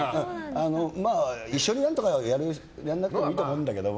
一緒に何とかやらなくてもいいと思うんだけど。